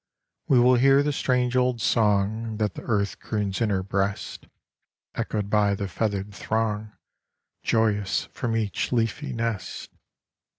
We will hear the strange old song That the earth croons in her breast, Echoed by the feathered throng Joyous from each leafy nest.